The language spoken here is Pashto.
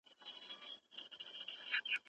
د وحې پيل په اقرا سره وسو.